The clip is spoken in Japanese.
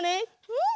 うん。